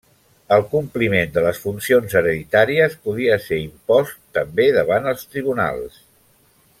El compliment de les funcions hereditàries podia ser impost també davant els tribunals.